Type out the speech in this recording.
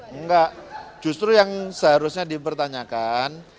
enggak justru yang seharusnya dipertanyakan